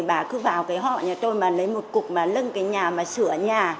bà cứ vào cái họ nhà tôi mà lấy một cục mà lưng cái nhà mà sửa nhà